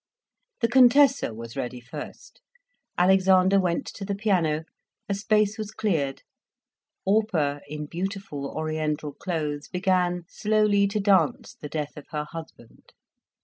The Contessa was ready first, Alexander went to the piano, a space was cleared. Orpah, in beautiful oriental clothes, began slowly to dance the death of her husband.